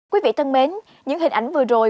quý vị thân mến những hình ảnh vừa rồi